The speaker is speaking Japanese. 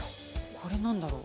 これ何だろう？